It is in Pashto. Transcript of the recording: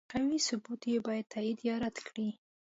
قوي ثبوت یې باید تایید یا رد کړي.